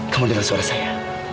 kamu dengar suara saya